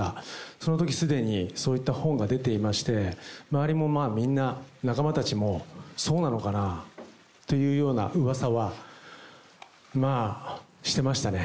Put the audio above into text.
そのときすでにそういった本が出ていまして、周りもみんな、仲間たちもそうなのかな？っていうようなうわさはしてましたね。